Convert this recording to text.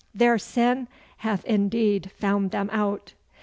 Their sin hath indeed found them out.